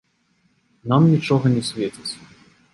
Нам нічога не свеціць.